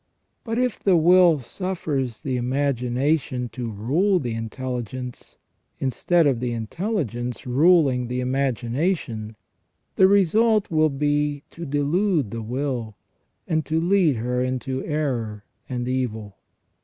But if the will suffers the imagination to rule the intelligence, instead of the intelligence ruling the imagination, the result will be to delude the will, and to lead her into error and evil.